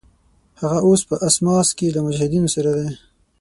هغه اوس په اسماس کې له مجاهدینو سره دی.